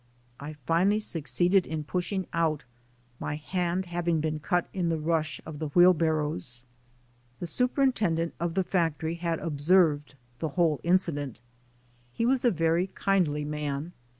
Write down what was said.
I finally succeeded in pushing out, my hand having been cut in the rush of the wheelbarrows. The superintendent of the factorv had observed the whole incident. He was a very kindly man.